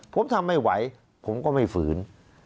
ผมทำไม่ไหวผมก็ไม่ฝืน